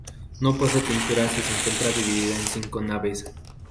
No posee pinturas y se encuentra dividida en cinco naves.